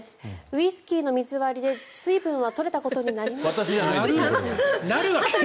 ウイスキーの水割りで水分は取れたことになりますか？